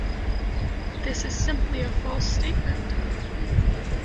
This is simply a false statement.